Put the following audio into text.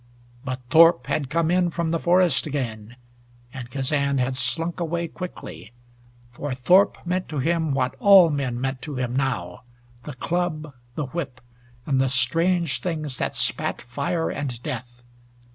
But Thorpe had come in from the forest again, and Kazan had slunk away quickly for Thorpe meant to him what all men meant to him now: the club, the whip and the strange things that spat fire and death.